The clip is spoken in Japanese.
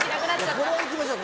これはいきましょう